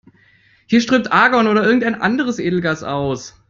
Hier strömt Argon oder irgendein anderes Edelgas aus.